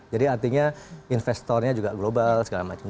jadi artinya investornya juga global segala macam